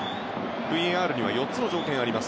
ＶＡＲには４つの条件があります。